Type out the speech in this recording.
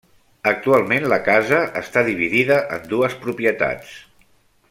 Actualment la casa està dividida en dues propietats.